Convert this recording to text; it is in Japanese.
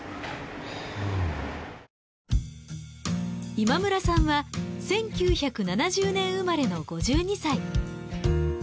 今村さんは１９７０年生まれの５２歳。